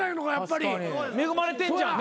恵まれてんじゃん。